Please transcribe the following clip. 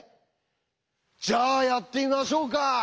じゃあやってみましょうか！